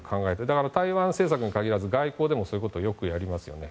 だから、台湾政策に限らず外交でもそういうことをよくやりますね。